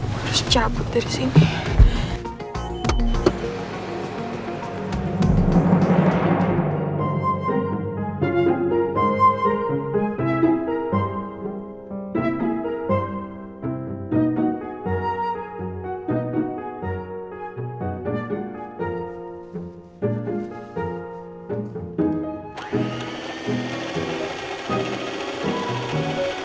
harus cabut dari sini